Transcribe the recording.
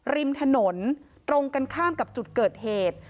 ริมถนนตรงกันข้ามกับจุดเกิดเหตุ